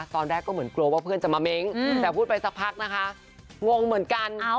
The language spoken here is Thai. ตอนแรกก็เหมือนกลัวว่าเพื่อนจะมาเม้งแต่พูดไปสักพักนะคะงงเหมือนกัน